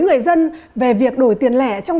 người dân về việc đổi tiền lẻ trong